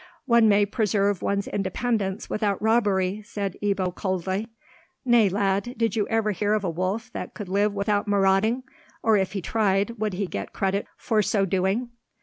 "One may preserve one's independence without robbery," said Ebbo coldly. "Nay, lad: did you ever hear of a wolf that could live without marauding? Or if he tried, would he get credit for so doing?"